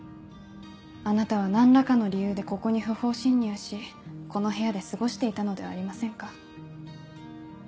あなたは何らかの理由でここに不法侵入しこの部屋で過ごしていたのではありませんか？